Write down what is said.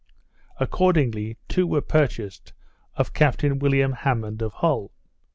Accordingly two were purchased of Captain William Hammond of Hull.